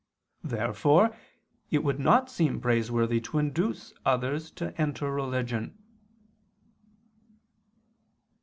Therefore it would not seem praiseworthy to induce others to enter religion.